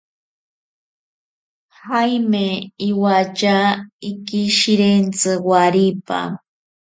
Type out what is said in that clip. Jaime iwatya ikishirentsi waripa.